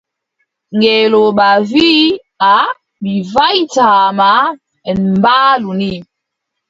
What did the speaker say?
Ngeelooba wii: aaʼa mi waʼitaa ma, en mbaalu ni.